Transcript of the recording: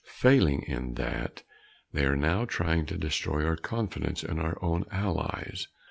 Failing in that, they are now trying to destroy our confidence in our own allies.